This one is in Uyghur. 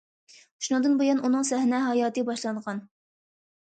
شۇنىڭدىن بۇيان ئۇنىڭ سەھنە ھاياتى باشلانغان.